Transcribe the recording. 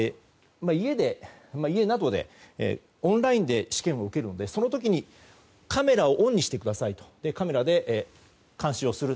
家などで、オンラインで試験を受けるので、その時にカメラをオンにしてくださいとそして監視をする。